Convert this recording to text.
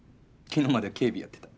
昨日まで警備やってた。